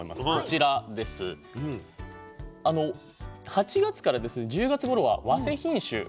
８月から１０月頃は早生品種